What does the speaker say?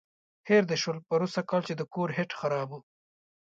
هېر دې شول پروسږ کال چې د کور هیټ خراب و.